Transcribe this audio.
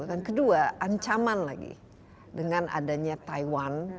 yang kedua ancaman lagi dengan adanya taiwan